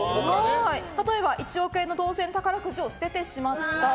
例えば、１億円の当せん宝くじを捨ててしまった。